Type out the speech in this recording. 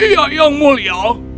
ya yang mulia